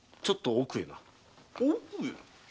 奥へ？